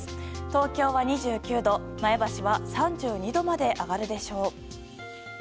東京は２９度前橋は３２度まで上がるでしょう。